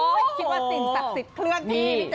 ไม่คิดว่าสิ่งศักดิ์สิทธิ์เครื่องที่